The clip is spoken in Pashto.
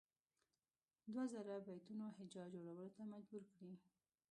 دوه زره بیتونو هجا جوړولو ته مجبور کړي.